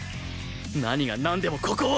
何がなんでもここを